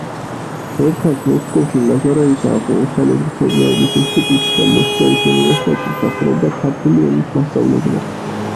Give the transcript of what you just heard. ერთხანს მოსკოვში ლაზარევის აღმოსავლეთმცოდნეობის ინსტიტუტში და მოსკოვის უნივერსიტეტში მსახურობდა ქართული ენის მასწავლებლად.